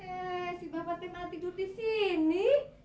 eh si bapak timah tidur di sini